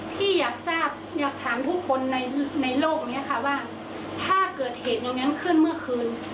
พี่อยากทราบอยากถามทุกคนในโลกนี้ค่ะว่าถ้าเกิดเหตุอย่างนั้นขึ้นเมื่อคืน